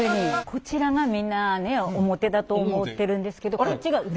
こちらがみんなね表だと思ってるんですけど裏。